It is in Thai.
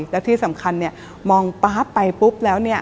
และที่สำคัญมองปั๊บไปปุ๊บแล้ว